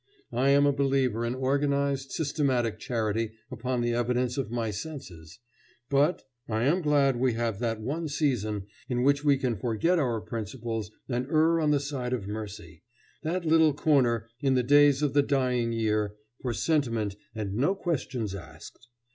I am a believer in organized, systematic charity upon the evidence of my senses; but I am glad we have that one season in which we can forget our principles and err on the side of mercy, that little corner in the days of the dying year for sentiment and no questions asked.